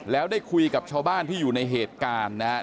แล้วได้คุยกับชาวบ้านที่อยู่ในเหตุการณ์นะครับ